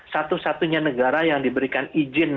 satu satunya negara yang diberikan izin